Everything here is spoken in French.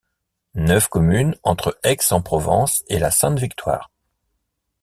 Neuf communes entre Aix-en-Provence et la Sainte-Victoire.